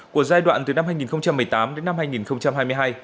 của giai đoạn từ năm hai nghìn một mươi tám đến năm hai nghìn hai mươi hai